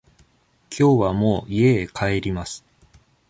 きょうはもう家へ帰ります。